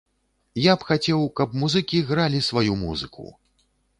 Я б хацеў, каб музыкі гралі сваю музыку.